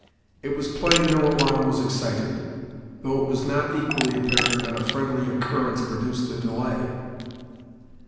It was plain no alarm was excited, though it was not equally apparent that a friendly occurrence produced the delay.